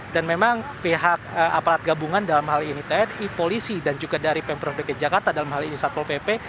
dan memang pihak aparat gabungan dalam hal ini tni polisi dan juga dari pemprovdk jakarta dalam hal ini satpol pp